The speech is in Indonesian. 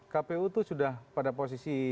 kpu itu sudah pada posisi